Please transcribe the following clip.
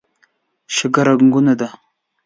شګه رغونه ده.